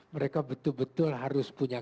mereka betul betul harus punya